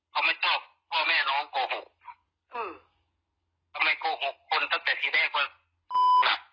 เขาไม่ชอบพ่อแม่น้องโกหกอืมทำไมโกหกคนตั้งแต่ทีแรกว่าหลับ